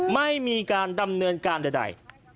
ไม่มีการดำเนินการใด